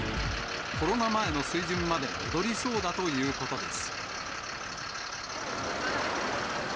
コロナ前の水準まで戻りそうだということです。